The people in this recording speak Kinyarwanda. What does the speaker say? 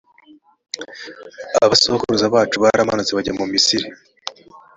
abasokuruza bacu baramanutse bajya mu misiri.